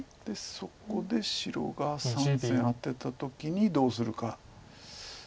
そこで白が３線アテた時にどうするか。